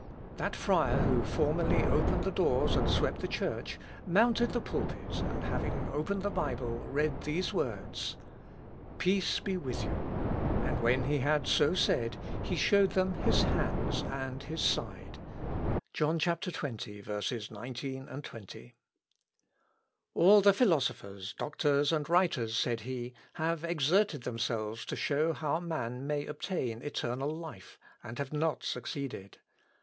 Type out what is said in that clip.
That friar who formerly opened the doors and swept the church, mounted the pulpit, and having opened the Bible, read these words: "Peace be with you; and when he had so said, he showed them his hands and his side." (John, xx, 19, 20.) "All the philosophers, doctors, and writers," said he, "have exerted themselves to show how man may obtain eternal life, and have not succeeded.